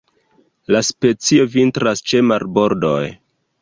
La specio vintras ĉe marbordoj.